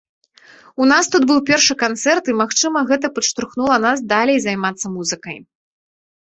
У нас тут быў першы канцэрт і, магчыма, гэта падштурхнула нас далей займацца музыкай.